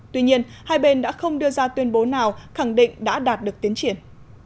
tuy nhiên hai bên đã không đưa ra tuyên bố nào khẳng định đã đạt được tiến triển